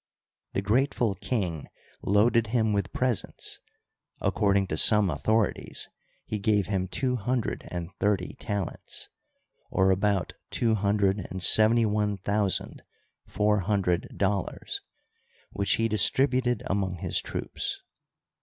The grateful king loaded him with presents — ^according to some authorities he gave him two hundred and thirty talents, or about two hundred and seventy one thousand four hundred dollars — which he distributed among his troops.